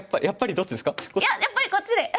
やっぱりこっちで。